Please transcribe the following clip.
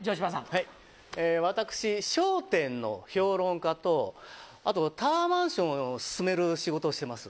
はい私『笑点』の評論家とあとタワーマンションを勧める仕事をしてます。